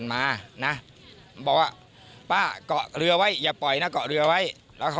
และแค่ไหนจะได้ฝึก